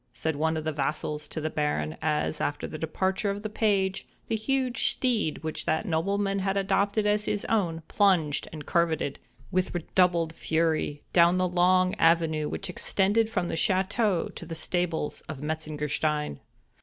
said one of his vassals to the Baron, as, after the departure of the page, the huge steed which that nobleman had adopted as his own, plunged and curvetted, with redoubled fury, down the long avenue which extended from the château to the stables of Metzengerstein.